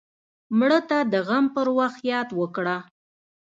مړه ته د غم پر وخت یاد وکړه